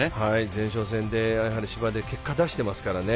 前哨戦で芝で結果出していますからね。